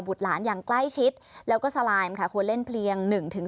บุตรหลานอย่างใกล้ชิดแล้วก็สไลม์ค่ะควรเล่นเพลียงหนึ่งถึง